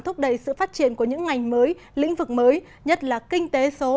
thúc đẩy sự phát triển của những ngành mới lĩnh vực mới nhất là kinh tế số